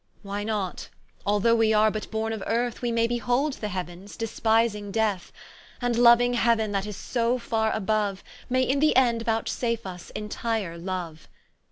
Why not? although we are but borne of earth, We may behold the Heauens, despising death; And louing heauen that is so farre aboue, May in the end vouchsafe vs entire loue.